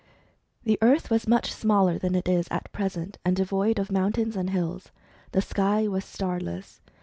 The earth was much smaller than it is at present, and devoid of mountains and hills. The sky was starless.